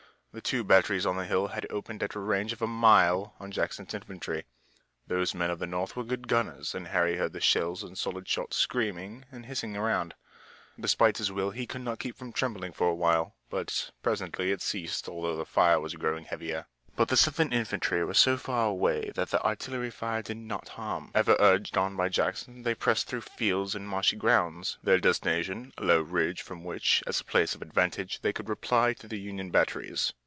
The two batteries on the hill had opened at a range of a mile on Jackson's infantry. Those men of the North were good gunners and Harry heard the shells and solid shot screaming and hissing around. Despite his will he could not keep from trembling for a while, but presently it ceased, although the fire was growing heavier. But the Southern infantry were so far away that the artillery fire did not harm. Ever urged on by Jackson, they pressed through fields and marshy ground, their destination a low ridge from which, as a place of advantage, they could reply to the Union batteries.